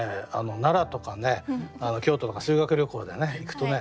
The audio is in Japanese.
奈良とか京都とか修学旅行で行くとね